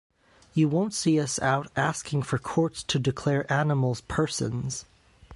You won't see us out asking for courts to declare animals persons.